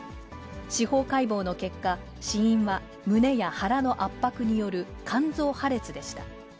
司法解剖の結果、死因は胸や腹の圧迫による肝臓破裂でした。